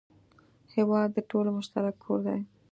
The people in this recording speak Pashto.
هېواد د ټولو مشترک کور دی.